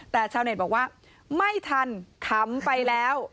แต่ชาวเน็ตบอกว่าไม่ทันขำไปแล้ว